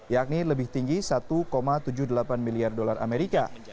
yakni lebih tinggi satu tujuh puluh delapan miliar dolar amerika